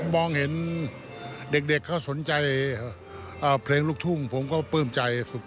มองเห็นเด็กเขาสนใจเพลงลูกทุ่งผมก็ปลื้มใจ